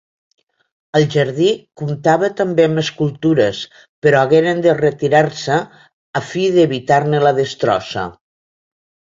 El jardí comptava també amb escultures, però hagueren de retirar-se a fi d'evitar-ne la destrossa.